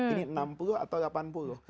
ini enam puluh atau delapan puluh